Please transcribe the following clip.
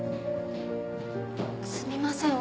すみません